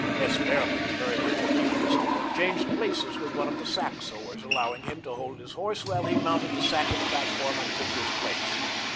S. Behrman, very much amused, changed places with one of the sack sewers, allowing him to hold his horse while he mounted the sacking platform and took his place.